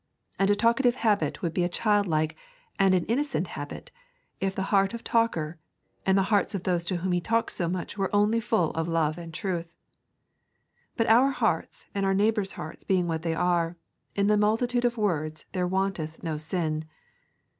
And a talkative habit would be a childlike and an innocent habit if the heart of talker and the hearts of those to whom he talks so much were only full of truth and love. But our hearts and our neighbours' hearts being what they are, in the multitude of words there wanteth not sin.